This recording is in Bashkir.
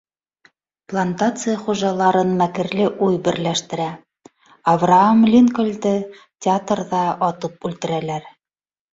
Плантация хужаларын мәкерле уй берләштерә — Авраам Линкольнды театрҙа атып үлтерәләр.